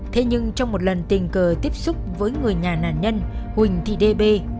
thế nhưng trong một lần tình cờ tiếp xúc với người nhà nạn nhân huỳnh thị đê bê